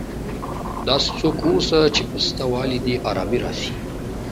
داسي څوک واوسه، چي په سته والي دي ارامي راسي.